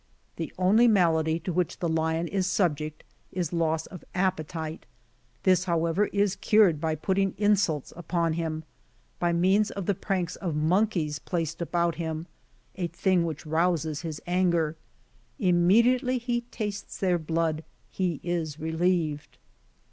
The only malady to which the lion is subject, is loss of appetite ; this, however, is cured by putting insults upon him, by means of the pranks of monkeys placed about him, a thing which rouses his anger ; immediately he tastes their blood, he is relieved.